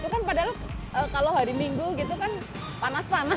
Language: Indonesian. itu kan padahal kalau hari minggu gitu kan panas panas